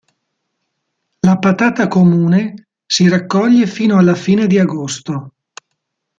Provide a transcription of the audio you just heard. La patata "comune" si raccoglie fino alla fine di agosto.